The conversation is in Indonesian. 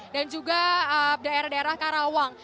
dan juga daerah daerah karawang